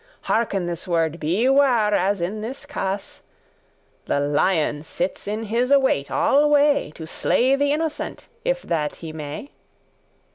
Hearken this word, beware as in this case. The lion sits *in his await* alway *on the watch* <16> To slay the innocent, if that he may.